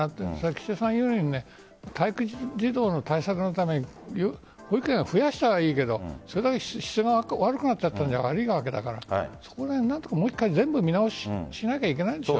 岸田さんが言うように待機児童の対策のために保育園を増やしたらいいけどそれは質が悪くなったんじゃ悪いからもう１回、全部見直ししなければいけないですよ。